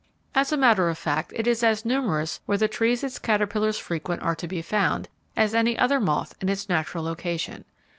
As a matter of fact, it is as numerous where the trees its caterpillars frequent are to be found, as any other moth in its natural location.